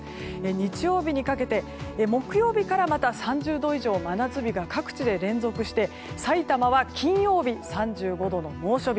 日曜日にかけて木曜日から３０度以上の真夏日が各地で連続して埼玉は金曜日、３５度の猛暑日。